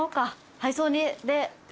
配送で。